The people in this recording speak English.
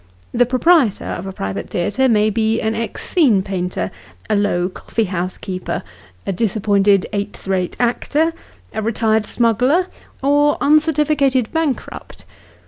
The proprietor of a private theatre may be an ex scene painter, a low coftee house keeper, a disappointed eighth rate actor, a retired smuggler, or uncertificated bankrupt.